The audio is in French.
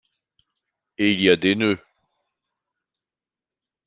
Et il y a des nœuds.